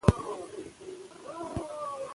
ځوانان باید د خپل کلتور په اړه لیکني وکړي.